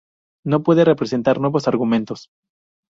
No puede presentar nuevos argumentos.